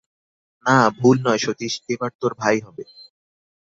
না, ভুল নয় সতীশ, এবার তোর ভাই হবে।